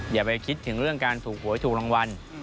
อย่าไปคิดถึงเรื่องการถูกหวยถูกรางวัล